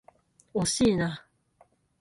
惜しいな。